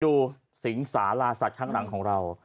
สิงสาราสัตว์ข้างหลังของเรา